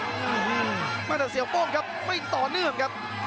อืมแม่แต่เสียโป้งครับไม่ต่อเนื่องครับ